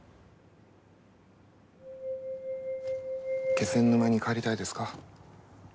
気仙沼に帰りたいですか？